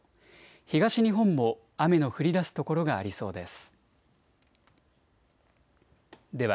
東日本も雨の降りだす所がありそうです。